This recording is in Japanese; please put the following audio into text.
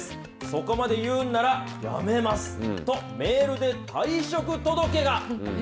そこまで言うんなら辞めますと、メールで退職届が。